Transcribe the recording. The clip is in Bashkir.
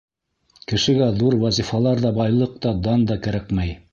Кешегә ҙур вазифалар ҙа, байлыҡ та, дан да кәрәкмәй.